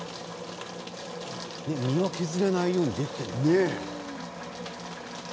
実は削れないようにできているんだ。